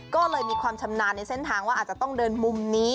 ก็เลยมีความชำนาญในเส้นทางว่าอาจจะต้องเดินมุมนี้